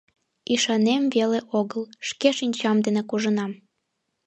— Ӱшанем веле огыл, шке шинчам денак ужынам.